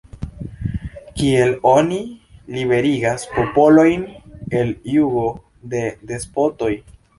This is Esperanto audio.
Kiel oni liberigas popolojn el jugo de despotoj?